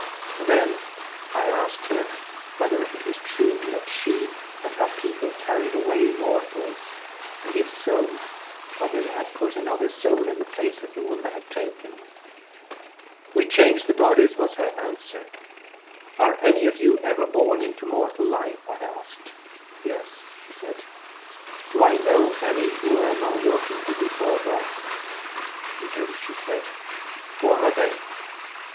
I then asked her whether it was true that she and her people carried away mortals, and if so, whether they put another soul in the place of the one they had taken ?' We change the bodies,' was her answer. ' Are any of you ever born into mortal life?' 'Yes.' 'Do I know any who were among your people before birth ?' 'You do.' 'Who are they?'